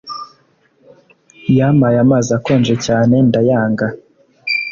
Yampaye amazi akonje cyane ndayanga